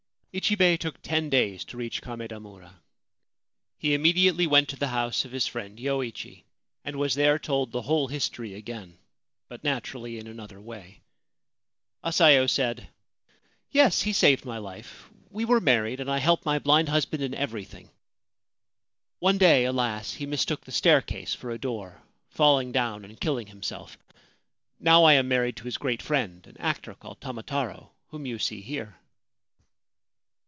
Ichibei took ten days to reach Kamedamura. He immediately went to the house of his friend Yoichi, and was there told 33 5 Ancient Tales and Folklore of Japan the whole history again, but naturally in another way. Asayo said :' Yes : he saved my life. We were married, and I helped my blind husband in everything. One day, alas, he mistook the staircase for a door, falling down and killing himself. Now I am married to his great friend, an actor called Tamataro, whom you see here.'